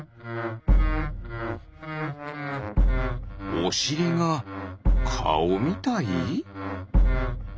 おしりがカオみたい？